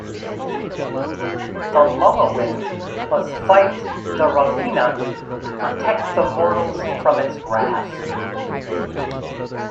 The "Mulawin" must fight the "Ravena" to protect the mortals from its wrath.